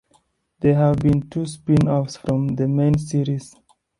There have been two spin-offs from the main series.